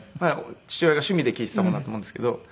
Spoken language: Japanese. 父親が趣味で聴いてたものだと思うんですけど。